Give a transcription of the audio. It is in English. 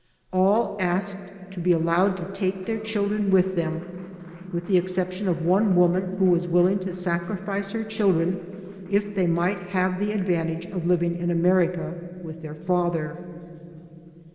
All asked to be allowed to take their children with them, with the exception of one woman who was willing to sacrifice her children if they might have the advantage of living in America with their father.